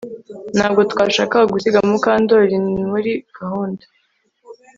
Ntabwo twashakaga gusiga Mukandoli muri gahunda